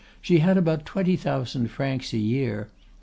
She had about twenty thousand francs a year.